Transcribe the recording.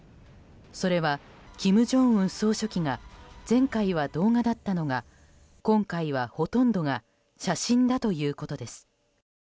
それは、金正恩総書記が前回は動画だったのが今回は、ほとんどが写真だということです。